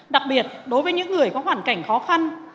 đặc biệt đối với những người có hoàn cảnh khó khăn